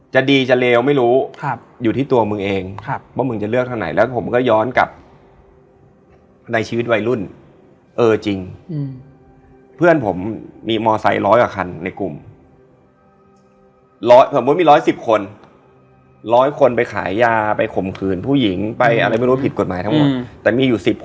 พีชพีชแจกเข้าใจปะว่าไปคิดอะไรอืมจากไหนในหัวอืม